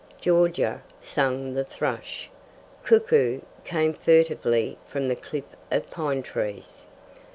"Georgia," sang the thrush. "Cuckoo," came furtively from the cliff of pine trees.